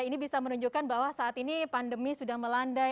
ini bisa menunjukkan bahwa saat ini pandemi sudah melandai